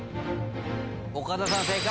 岡田さん正解。